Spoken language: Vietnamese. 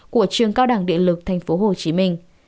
của trường cao đẳng địa lực tp hcm